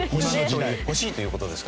欲しいということですか？